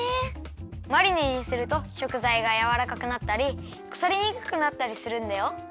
マリネにすると食材がやわらかくなったりくさりにくくなったりするんだよ。